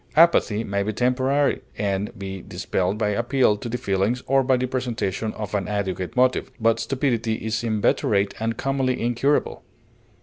Apathy may be temporary, and be dispelled by appeal to the feelings or by the presentation of an adequate motive, but stupidity is inveterate and commonly incurable.